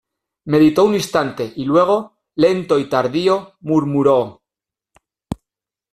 meditó un instante, y luego, lento y tardío, murmuró: